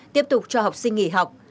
tiếp tục cho học sinh nghỉ học